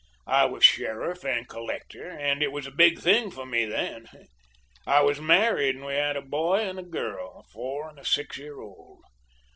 I was sheriff and collector, and it was a big thing for me then. I was married, and we had a boy and a girl a four and a six year old.